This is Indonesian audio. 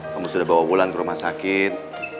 kamu sudah bawa pulang ke rumah sakit